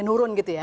nurun gitu ya